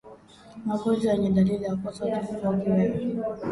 Magonjwa yenye dalili za kukosa utulivu au kiwewe